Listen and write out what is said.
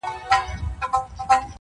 خدایه چي بیا به کله اورو کوچيانۍ سندري!